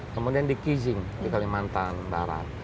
kemudian di kizing di kalimantan barat